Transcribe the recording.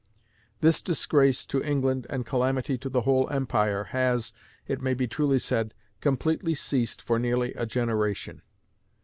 This disgrace to England and calamity to the whole empire has, it may be truly said, completely ceased for nearly a generation.